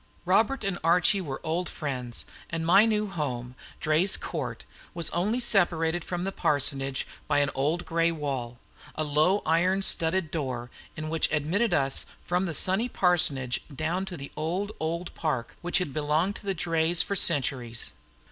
Robert and Archie were old friends, and my new home, Draye's Court, was only separated from the parsonage by an old gray wall, a low iron studded door in which admitted us from the sunny parsonage dawn to the old, old park which had belonged to the Drayes for centuries.